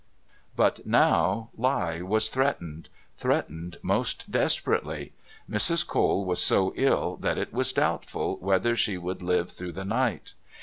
And now lie was threatened threatened most desperately. Mrs. Cole was so ill that it was doubtful whether she would live through the night.